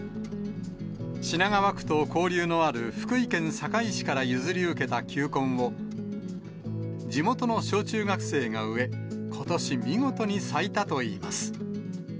品川区と交流のある福井県坂井市から譲り受けた球根を、地元の小中学生が植え、ことし、見事に咲いたといいます。